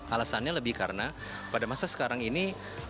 alasannya lebih karena pada masa sekarang ini